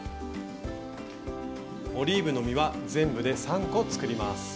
オリーブの実は全部で３個作ります。